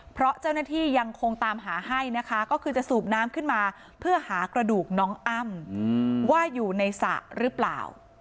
เพราะเจ้าหน้าที่ยังคงตามหาให้นะคะก็คือจะสูบน้ำขึ้นมาเพื่อหากระดูกน้องอ้ำว่าอยู่ในสระหรือเปล่า